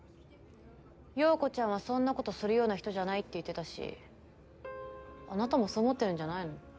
葉子ちゃんはそんなことするような人じゃないって言ってたしあなたもそう思ってるんじゃないの？